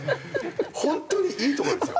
本当にいい所ですよ。